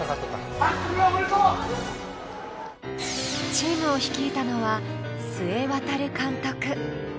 チームを率いたのは須江航監督。